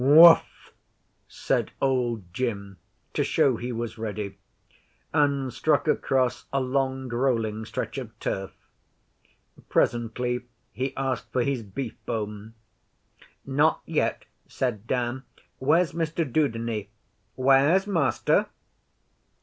'Whuff!' said Old Jim, to show he was ready, and struck across a long rolling stretch of turf. Presently he asked for his beefbone. 'Not yet,' said Dan. 'Where's Mr Dudeney? Where's Master?